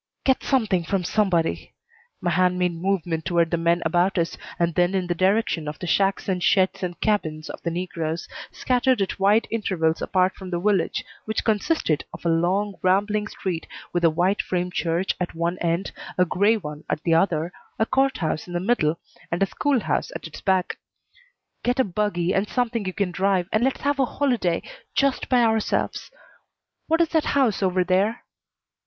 "Get something from somebody." My hand made movement toward the men about us and then in the direction of the shacks and sheds and cabins of the negroes, scattered at wide intervals apart from the village, which consisted of a long, rambling street with a white frame church at one end, a gray one at the other, a court house in the middle, and a school house at its back. "Get a buggy and something you can drive and let's have a holiday just by ourselves. What is that house over there?"